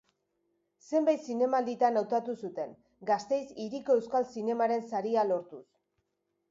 Zenbait zinemalditan hautatu zuten, Gasteiz Hiriko Euskal Zinemaren Saria lortuz.